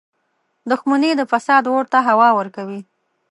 • دښمني د فساد اور ته هوا ورکوي.